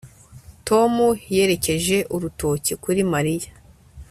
Tom yerekeje urutoki kuri Mariya